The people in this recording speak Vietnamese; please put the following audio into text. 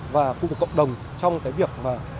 và khu vực cộng đồng trong việc